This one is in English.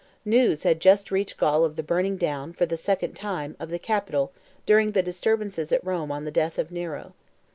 News had just reached Gaul of the burning down, for the second time, of the Capitol during the disturbances at Rome on the death of Nero.